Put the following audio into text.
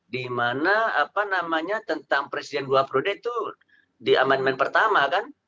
di mana tentang presiden dua periode itu di amandemen pertama